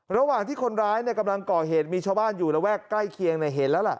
ระหว่างที่คนร้ายกำลังก่อเหตุมีชาวบ้านอยู่ระแวกใกล้เคียงเห็นแล้วล่ะ